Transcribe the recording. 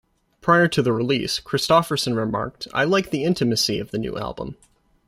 Prior to the release, Kristofferson remarked: I like the intimacy of the new album.